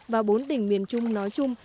và bốn tỉnh miền trung nói chung